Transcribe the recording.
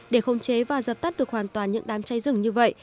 để khống chế và dập tắt được hoàn toàn những đám cháy rừng như vậy